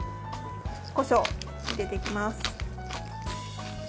こしょう、入れていきます。